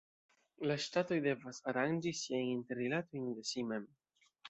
La ŝtatoj devas aranĝi siajn interrilatojn de si mem.